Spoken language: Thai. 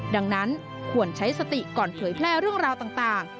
ดังนั้นควรใช้สติก่อนเผยแพร่เรื่องราวต่าง